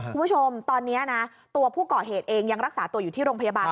คุณผู้ชมตอนนี้นะตัวผู้ก่อเหตุเองยังรักษาตัวอยู่ที่โรงพยาบาล